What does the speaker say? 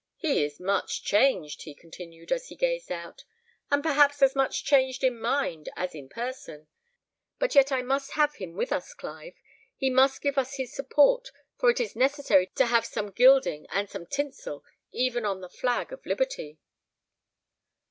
"He is much changed," he continued, as he gazed out, "and perhaps as much changed in mind as in person but yet I must have him with us, Clive. He must give us his support, for it is necessary to have some gilding and some tinsel even on the flag of liberty."